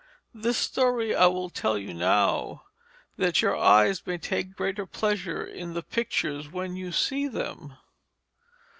This story I will tell you now, that your eyes may take greater pleasure in the pictures when you see them.